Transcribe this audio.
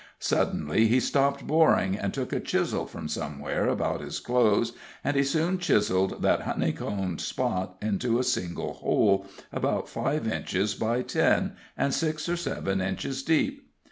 Suddenly he stopped boring, and took a chisel from somewhere about his clothes, and he soon chiseled that honeycombed spot into a single hole, about five inches by ten, and six or seven inches deep.